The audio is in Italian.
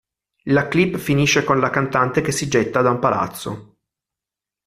La clip finisce con la cantante che si getta da un palazzo.